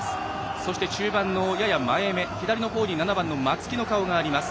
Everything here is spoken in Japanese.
そして中盤のやや前め、左の方に７番の松木の顔があります。